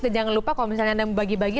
dan jangan lupa kalau misalnya anda membagi bagi